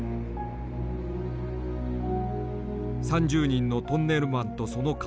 ３０人のトンネルマンとその家族